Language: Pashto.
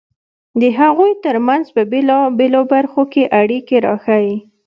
د هغوی ترمنځ په بېلابېلو برخو کې اړیکې راښيي.